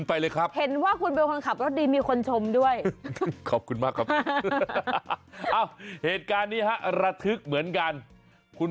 อ๋าแล้วเหตุการณ์นี้ค่ะภูมิจะระทึกเหมือนกัน